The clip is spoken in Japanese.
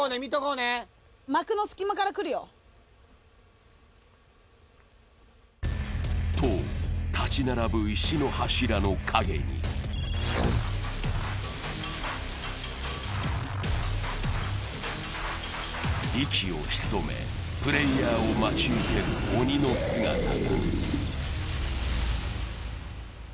幕の隙間から来るよ。と、立ち並ぶ石の柱の陰に息を潜め、プレーヤーを待ち受ける鬼の姿が。